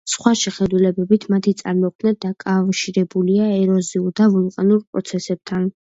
სხვა შეხედულებით, მათი წარმოქმნა დაკავშირებულია ეროზიულ და ვულკანურ პროცესებთან.